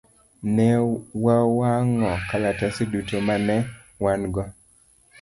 Ne wawang'o kalatese duto ma ne wan go.